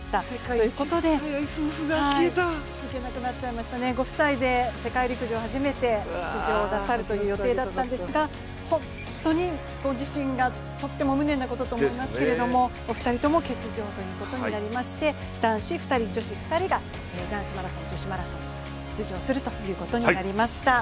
ということで、ご夫妻で世界陸上初めて出場なさるという予定だったんですが、本当にご自身がとっても無念なことと思いますけど、お二人とも欠場ということになりまして男子２人、女子２人が男子マラソン、女子マラソン出場することになりました。